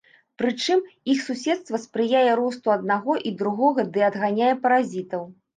Прычым, іх суседства спрыяе росту аднаго і другога ды адганяе паразітаў.